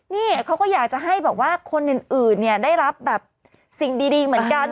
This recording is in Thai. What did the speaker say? เพราะอยากจะให้บอกว่าคนอื่นเนี่ยได้รับสิ่งดีเหมือนกัน